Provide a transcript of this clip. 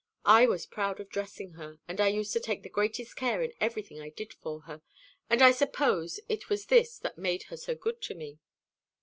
I was proud of dressing her; and I used to take the greatest care in everything I did for her; and I suppose it was this that made her so good to me.